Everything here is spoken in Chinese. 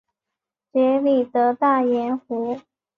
杰里德大盐湖。